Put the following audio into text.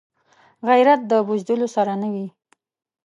غیرت د بزدلو سره نه وي